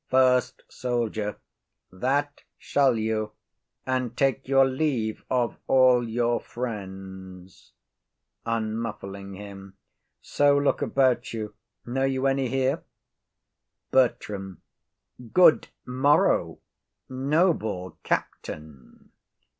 FIRST SOLDIER. That shall you, and take your leave of all your friends. [Unmuffling him.] So, look about you; know you any here? BERTRAM. Good morrow, noble captain.